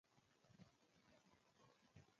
داسې عیاروي چې غوره مسلکي ارزښتونو ته.